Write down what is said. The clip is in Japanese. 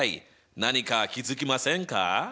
何か気付きませんか？